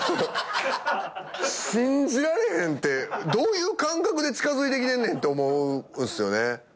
信じられへんってどういう感覚で近づいてきてんねんって思うんすよね。